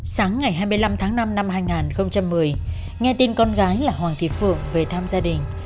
sáng ngày hai mươi năm tháng năm năm hai nghìn một mươi nghe tin con gái là hoàng thị phượng về thăm gia đình